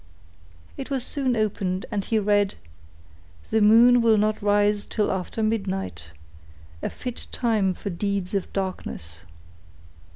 It was soon opened, and he read: _"The moon will not rise till after midnight—a fit time for deeds of darkness."